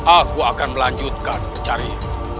aku akan melanjutkan pencarian